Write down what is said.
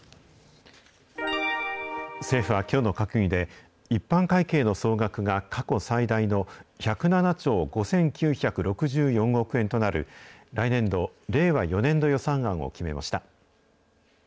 政府はきょうの閣議で、一般会計の総額が過去最大の１０７兆５９６４億円となる、来年度・令和４年度予算案を決めました。